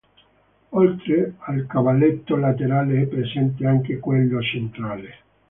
Oltre al cavalletto laterale è presente anche quello centrale.